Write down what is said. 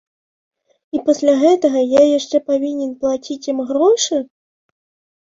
І пасля гэтага я яшчэ павінен плаціць ім грошы?